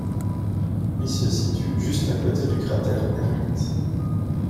Il se situe juste à côté du cratère Hermite.